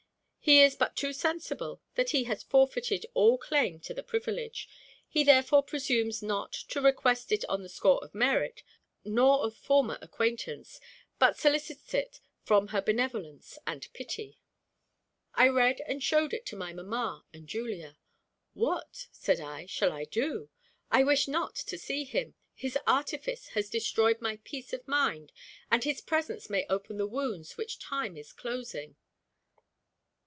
He is but too sensible that he has forfeited all claim to the privilege. He therefore presumes not to request it on the score of merit, nor of former acquaintance, but solicits it from her benevolence and pity." I read and showed it to my mamma and Julia. "What," said I, "shall I do? I wish not to see him. His artifice has destroyed my peace of mind, and his presence may open the wounds which time is closing."